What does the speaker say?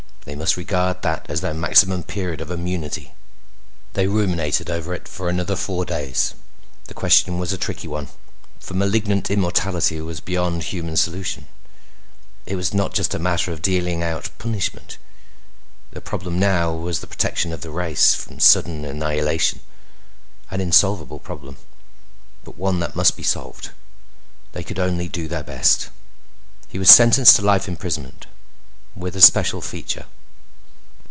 They must regard that as their maximum period of immunity. They ruminated over it for another four days. The question was a tricky one, for malignant immortality was beyond human solution. It was not just a matter of dealing out punishment. The problem now was the protection of the race from sudden annihilation. An insolvable problem, but one that must be solved. They could only do their best. He was sentenced to life imprisonment, with a special feature.